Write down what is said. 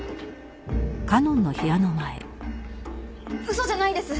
嘘じゃないです！